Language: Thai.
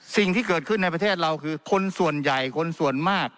สิ่งที่เกิดขึ้นในประเทศเราคือคนส่วนใหญ่คนส่วนมาก